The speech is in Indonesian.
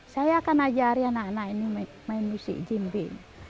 saya akan ajarin anak anak ini main musik jimbe